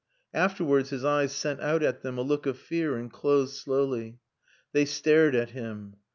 Afterwards his eyes sent out at them a look of fear and closed slowly. They stared at him.